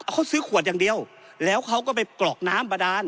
เขาซื้อขวดอย่างเดียวแล้วเขาก็ไปกรอกน้ำบาดาน